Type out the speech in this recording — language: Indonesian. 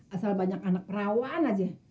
asal banyak anak perawan aja